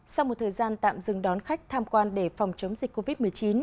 sau một thời gian tạm dừng đón khách tham quan để phòng chống dịch covid một mươi chín